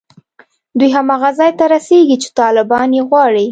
دوی هماغه ځای ته رسېږي چې طالبان یې غواړي